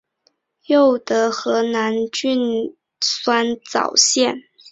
又得河南郡酸枣县。